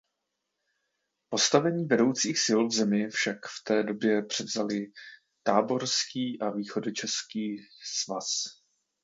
Postavení vedoucích sil v zemi však v té době převzaly táborský a východočeský svaz.